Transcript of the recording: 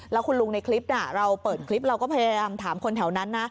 แล้วคุณลุงในคลิปเราเปิดคลิปเราก็พยายามถามคนแถวนั้นนะ